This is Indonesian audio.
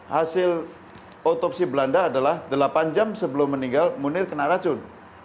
hasil otopsi belanda adalah delapan jam sebelum meninggal munir kena racun